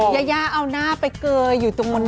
ยายาเอาหน้าไปเกยอยู่ตรงมนตร์นั้น